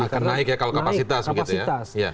akan naik ya kalau kapasitas begitu ya